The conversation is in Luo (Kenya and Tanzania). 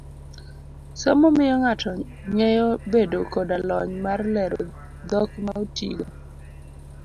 somo miyo ng'ato ngeyo bedo koda lony mar lero dhok ma otigo.